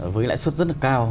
với lãi suất rất là cao